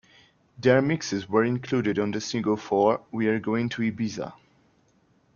Their mixes were included on the single for "We're Going to Ibiza".